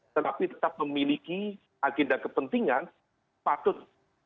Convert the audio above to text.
tetapi tetap memiliki agenda kepentingan patut